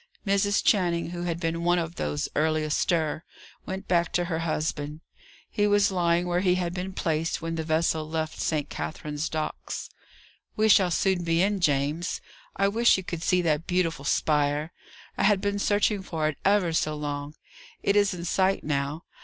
Mrs. Channing, who had been one of those early astir, went back to her husband. He was lying where he had been placed when the vessel left St. Katherine's Docks. "We shall soon be in, James. I wish you could see that beautiful spire. I have been searching for it ever so long; it is in sight, now.